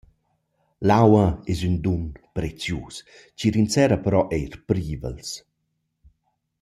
L’aua es ün dun prezius chi rinserra però eir privels.